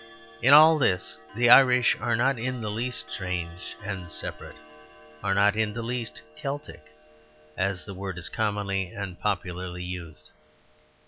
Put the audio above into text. In all this the Irish are not in the least strange and separate, are not in the least Celtic, as the word is commonly and popularly used.